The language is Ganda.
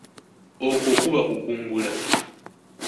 Okwo kuba kukungula.